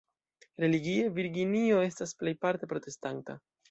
Religie, Virginio estas plejparte protestanta.